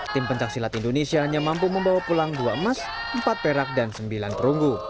tim pencaksilat indonesia hanya mampu membawa pulang dua emas empat perak dan sembilan perunggu